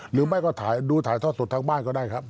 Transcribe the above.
หรือไม่ก็ดูถ่ายทอดสดทางบ้านก็ได้ครับ